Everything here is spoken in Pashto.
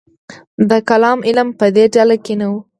د کلام علم په دې ډله کې نه و.